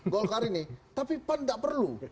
golkar ini tapi pan tidak perlu